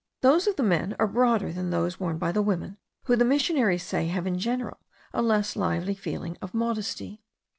Those of the men are broader than those worn by the women, who, the missionaries say, have in general a less lively feeling of modesty.